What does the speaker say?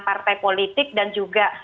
partai politik dan juga